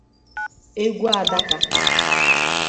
egwu adaka